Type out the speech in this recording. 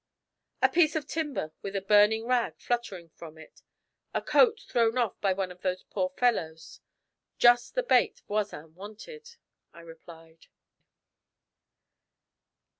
'A piece of timber with a burning rag fluttering from it. A coat thrown off by one of those poor fellows. Just the bait Voisin wanted,' I replied.